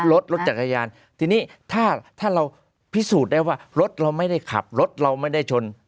รถรถจักรยานทีนี้ถ้าถ้าเราพิสูจน์ได้ว่ารถเราไม่ได้ขับรถเราไม่ได้ชน